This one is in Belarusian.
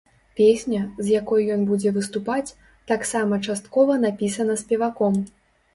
Песня, з якой ён будзе выступаць, таксама часткова напісана спеваком.